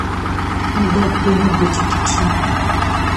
موږ باید پرې نه ږدو چې ټیټ شو.